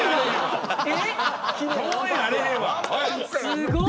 すごい。